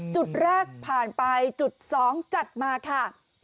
จุดแรกผ่านไปจุด๒จัดมาค่ะ